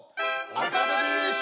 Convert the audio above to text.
アカデミー賞！